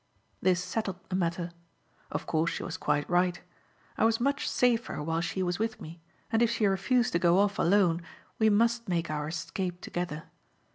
This settled the matter. Of course she was quite right. I was much safer while she was with me, and if she refused to go off alone, we must make our escape together.